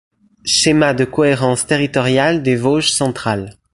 Schéma de cohérence territoriale des Vosges centrales.